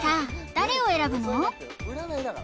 誰を選ぶの？